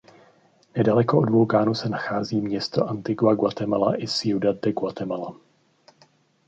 Nedaleko od vulkánu se nachází město Antigua Guatemala i Ciudad de Guatemala.